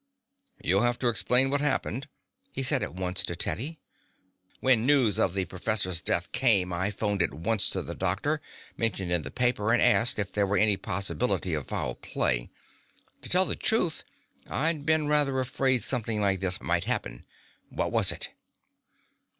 "You'll have to explain what happened," he said at once to Teddy. "When news of the professor's death came I phoned at once to the doctor mentioned in the paper and asked if there were any possibility of foul play. To tell the truth, I'd been rather afraid something like this might happen. What was it?"